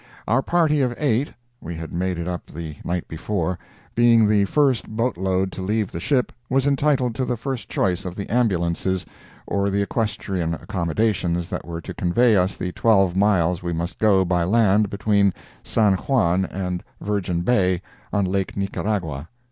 Our party of eight—we had made it up the night before—being the first boat load to leave the ship, was entitled to the first choice of the ambulances, or the equestrian accommodations that were to convey us the twelve miles we must go by land between San Juan and Virgin Bay, on Lake Nicaragua.